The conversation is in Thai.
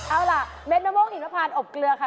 เอาล่ะเม็ดมะม่วงหินมะพานอบเกลือค่ะ